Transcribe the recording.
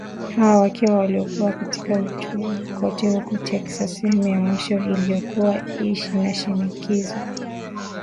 Hawa wakiwa waliokuwa katika utumwa kote huko Texas, sehemu ya mwisho iliyokuwa inashikilia watumwa.